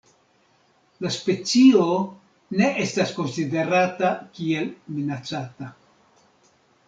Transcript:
La specio ne estas konsiderata kiel minacata.